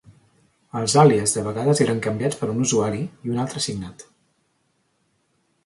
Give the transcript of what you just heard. Els àlies de vegades eren canviats per un usuari i un altre assignat.